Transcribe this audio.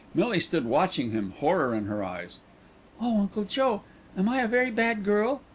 Millie stood watching him, horror in her eyes. "Oh, Uncle Joe, am I a very bad girl?